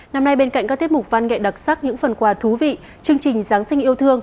năm nay bên cạnh các tiết mục văn nghệ đặc sắc những phần quà thú vị chương trình giáng sinh yêu thương